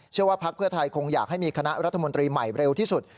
ว่าพักเพื่อไทยคงอยากให้มีคณะรัฐมนตรีใหม่เร็วที่สุด